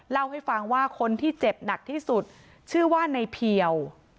เล่าให้ฟังว่าคนที่เจ็บหนักที่สุดชื่อว่าในเพียว